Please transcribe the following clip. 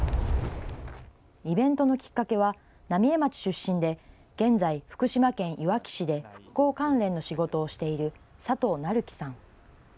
イベントのきっかけは、浪江町出身で現在、福島県いわき市で復興関連の仕事をしている佐藤成樹さん。